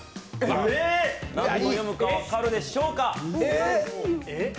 何と読むか分かるでしょうか？